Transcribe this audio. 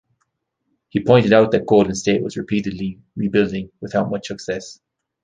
He pointed out that Golden State was repeatedly rebuilding without much success.